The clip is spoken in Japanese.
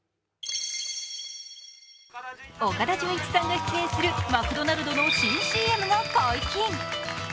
岡田准一さんが出演するマクドナルドの新ＣＭが解禁。